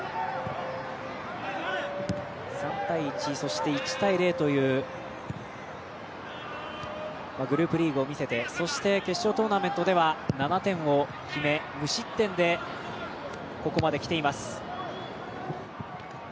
３−１、そして１−０というグループリーグをみせてそして、決勝トーナメントでは７点を決め無失点で、ここまできています。